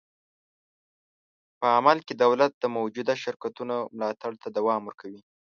په عمل کې دولت د موجوده شرکتونو ملاتړ ته دوام ورکوي.